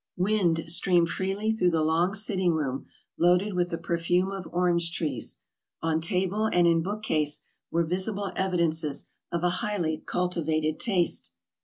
Wind streamed freely through the long sitting room, loaded with the perfume of orange trees ; on table and in bookcase were visible evi dences of a highly cultivated taste.